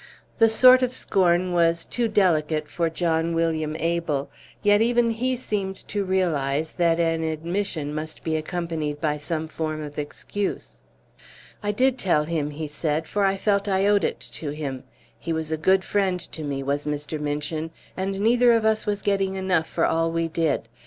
The sort of scorn was too delicate for John William Abel, yet even he seemed to realize that an admission must be accompanied by some form of excuse. "I did tell him," he said, "for I felt I owed it to him. He was a good friend to me, was Mr. Minchin; and neither of us was getting enough for all we did.